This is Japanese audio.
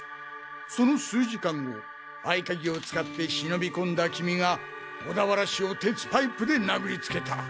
その数時間後合鍵を使って忍び込んだキミが小田原氏を鉄パイプで殴りつけた。